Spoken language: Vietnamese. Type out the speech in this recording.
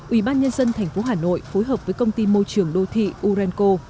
ủy ban nhân dân thành phố hà nội phối hợp với công ty môi trường đô thị urenco